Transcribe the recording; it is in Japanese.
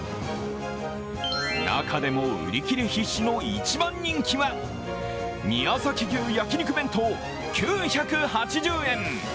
中でも売り切れ必至の一番人気は、宮崎牛焼肉弁当、９８０円！